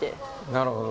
なるほどね。